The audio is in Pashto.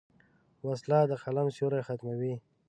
وسله د قلم سیوری ختموي